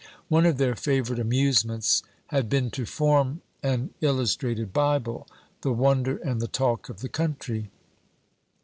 One of their favorite amusements had been to form an illustrated Bible, the wonder and the talk of the country.